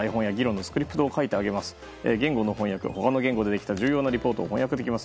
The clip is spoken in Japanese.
言語の翻訳で出た重要なリポートを翻訳できます。